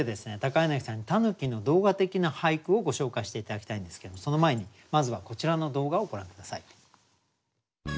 柳さんに狸の動画的な俳句をご紹介して頂きたいんですけどその前にまずはこちらの動画をご覧下さい。